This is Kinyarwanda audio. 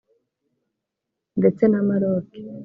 ndetse na Maroc